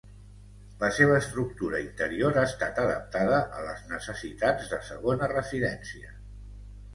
La seva estructura interior ha estat adaptada a les necessitats de segona residència.